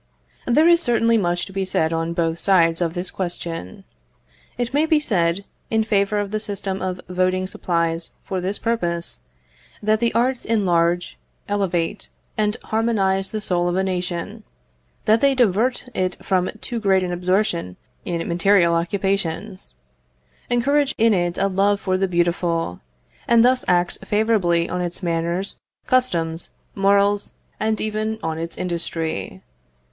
There is certainly much to be said on both sides of this question. It may be said, in favour of the system of voting supplies for this purpose, that the arts enlarge, elevate, and harmonize the soul of a nation; that they divert it from too great an absorption in material occupations; encourage in it a love for the beautiful; and thus act favourably on its manners, customs, morals, and even on its industry.